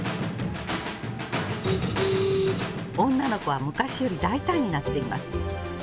「女の子は昔より大胆になっています。